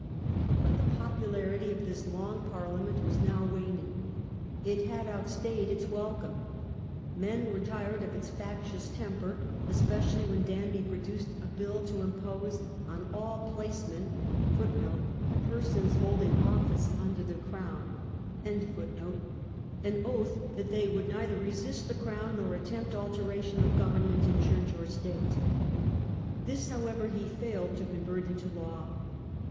But the popu miniBteV, larity of this long Parliament was now waning. '^^* It had outstayed its welcome. Men were tired of its factious temper, especially when Danby produced a bill to impose on all "placemen^" an oath that they would neither resist the crown nor attempt alteration of government in church or state. This, however, he failed to convert into law.